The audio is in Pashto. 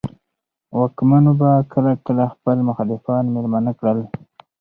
واکمنو به کله کله خپل مخالفان مېلمانه کړل.